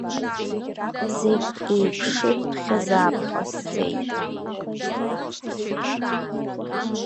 Зегь еиԥшыртәхьазаап ҟасҵеит.